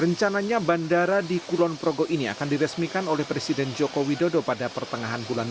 rencananya bandara di kulon progo ini akan diresmikan oleh presiden joko widodo pada pertengahan bulan